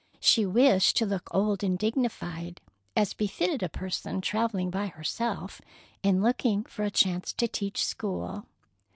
She wished to look old and dignified, as befitted a person travelling by herself, and looking for a chance to teach school.